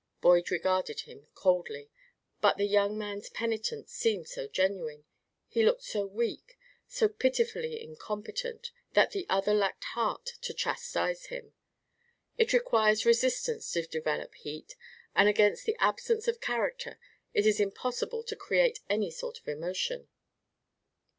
Boyd regarded him coldly, but the young man's penitence seemed so genuine, he looked so weak, so pitifully incompetent, that the other lacked heart to chastise him. It requires resistance to develop heat, and against the absence of character it is impossible to create any sort of emotion.